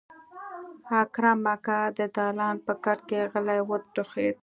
اکرم اکا د دالان په کټ کې غلی وټوخېد.